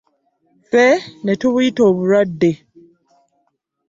Ffe ne tubuyita obulwadde.